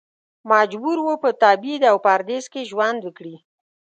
مجبور و په تبعید او پردیس کې ژوند وکړي.